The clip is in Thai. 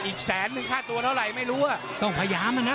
อีกแสนหนึ่งค่าตัวเท่าไรไม่รู้อ่ะต้องพยายามน่ะน่ะ